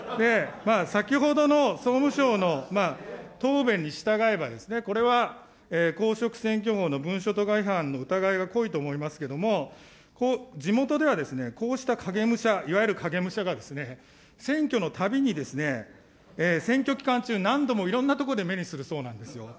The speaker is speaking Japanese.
先ほどの総務省の答弁に従えば、これは公職選挙法の文書とが違反の疑いが濃いと思いますけれども、地元では、こうした影武者、いわゆる影武者がですね、選挙のたびにですね、選挙期間中、何度もいろんなとこで目にするそうなんですよ。